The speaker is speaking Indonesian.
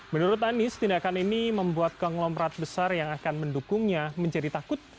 menurut anies tindakan ini membuat konglomerat besar yang akan mendukungnya menjadi takut